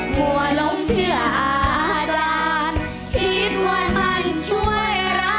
หัวหลงเชื่ออาจารย์คิดว่ามันช่วยเรา